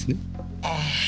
ああ。